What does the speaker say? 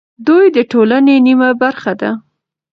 دوی د ټولنې نیمه برخه ده.